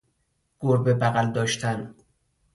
گربه بغل داشتن